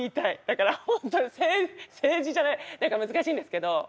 だから本当に政治じゃない何か難しいんですけど。